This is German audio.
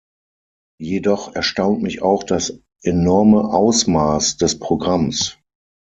Jedoch erstaunt mich auch das enorme Ausmaß des Programms.